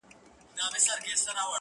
چي یې منکر دی هغه نادان دی-